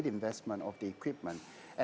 dengan pengembangan peralatan yang tepat